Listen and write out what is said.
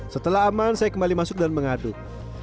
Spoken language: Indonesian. setelah aman saya kembali masuk dan mengaduk